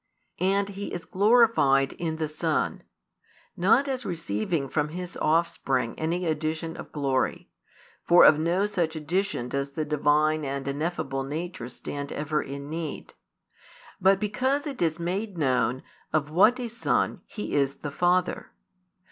And He is glorified in the Son; not as receiving from His Offspring any addition of glory, for of no such addition does the Divine and ineffable nature stand ever in need; but because it is made known of what a Son He is the Father.